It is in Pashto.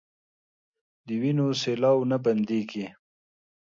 د وينو سېلاوو نه بنديږي